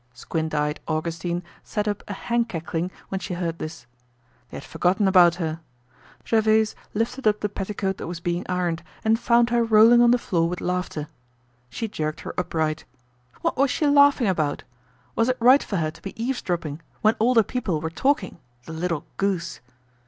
Squint eyed Augustine set up a hen cackling when she heard this. They had forgotten about her. Gervaise lifted up the petticoat that was being ironed and found her rolling on the floor with laughter. She jerked her upright. What was she laughing about? Was it right for her to be eavesdropping when older people were talking, the little goose?